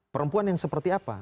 perempuan yang seperti apa